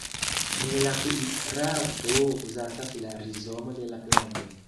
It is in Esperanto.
En la kuirarto uzatas la rizomo de la planto.